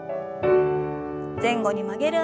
前後に曲げる運動です。